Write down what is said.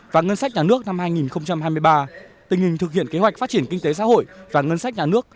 và ngân sách nhà nước năm hai nghìn hai mươi ba tình hình thực hiện kế hoạch phát triển kinh tế xã hội và ngân sách nhà nước